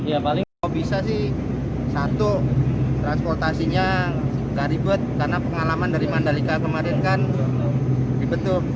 ya paling kalau bisa sih satu transportasinya gak ribet karena pengalaman dari mandalika kemarin kan ribet tuh